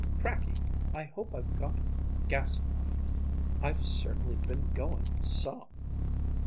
"Cracky! I hope I've got gas enough. I've certainly been going _some!